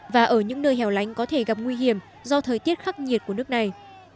và ở những nơi hẻo lánh có thể gặp nguy hiểm do thời tiết khắc nghiệt của nước này